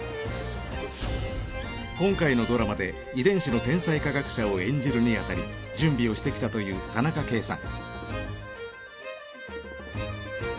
今回のドラマで遺伝子の天才科学者を演じるにあたり準備をしてきたという田中圭さん。